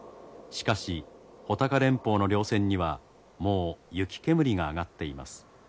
しかし穂高連峰の稜線にはもう雪煙が上がっています。